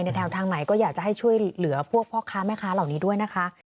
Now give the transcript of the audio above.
แนวทางไหนก็อยากจะให้ช่วยเหลือพวกพ่อค้าแม่ค้าเหล่านี้ด้วยนะคะ